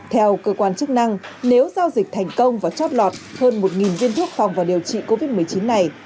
theo cơ quan chức năng nếu giao dịch thành công và chót lọt hơn một viên thuốc phòng vào điều trị covid một mươi chín này